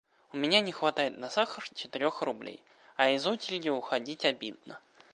У меня не хватает на сахар четырех рублей, а из очереди уходить обидно.